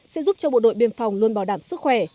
sẽ giúp cho bộ đội biên phòng luôn bảo đảm sức khỏe